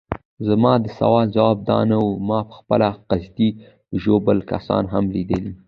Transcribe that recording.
زما د سوال ځواب دا نه وو، ما پخپله قصدي ژوبل کسان هم لیدلي.